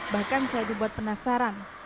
bahkan saya dibuat penasaran